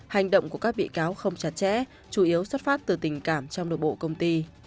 hành động của các bị cáo không chặt chẽ chủ yếu xuất phát từ tình cảm trong nội bộ công ty